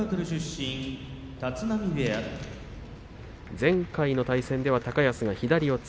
前回の対戦では高安が左四つ。